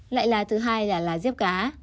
lại là thứ hai là lá diếp cá